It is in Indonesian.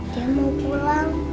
dia mau pulang